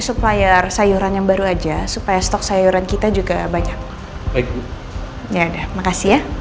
supplier sayuran yang baru aja supaya stok sayuran kita juga banyak ya dada makasih ya